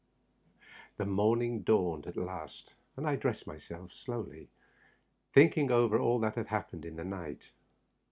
The morning dawned at last, and I dressed myself slowly, thinking over all that had happened in the night.